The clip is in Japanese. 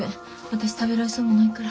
私食べられそうもないから。